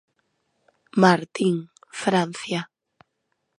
Martin, Francia.